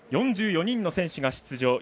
４４人の選手が出場。